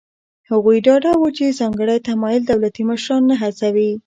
هغوی ډاډه وو چې ځانګړی تمایل دولتي مشران نه هڅوي.